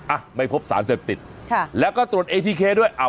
อ่ะไม่พบสารเสพติดค่ะแล้วก็ตรวจเอทีเคด้วยอ้าว